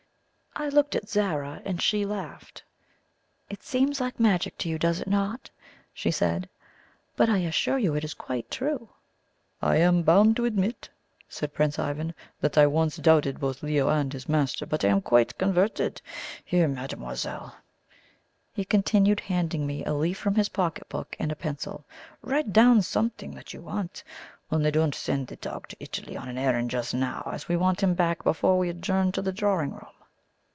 I looked at Zara, and she laughed. "It seems like magic to you, does it not?" she said; "but I assure you it is quite true." "I am bound to admit," said Prince Ivan, "that I once doubted both Leo and his master, but I am quite converted. Here, mademoiselle," he continued, handing me a leaf from his pocket book and a pencil "write down something that you want; only don't send the dog to Italy on an errand just now, as we want him back before we adjourn to the drawing room."